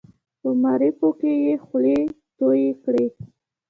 په معارفو کې یې خولې تویې کړې.